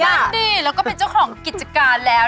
นั่นดิแล้วก็เป็นเจ้าของกิจการแล้ว